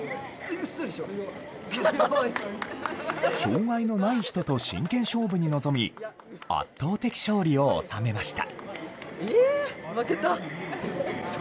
障害のない人と真剣勝負に臨み、圧倒的勝利を収めました。